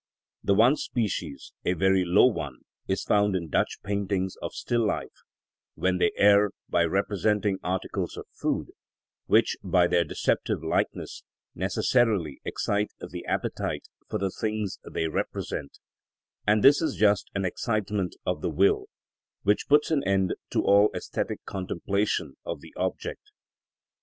The one species, a very low one, is found in Dutch paintings of still life, when they err by representing articles of food, which by their deceptive likeness necessarily excite the appetite for the things they represent, and this is just an excitement of the will, which puts an end to all æsthetic contemplation of the object.